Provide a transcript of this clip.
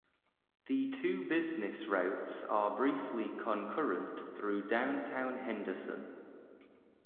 The two business routes are briefly concurrent through downtown Henderson.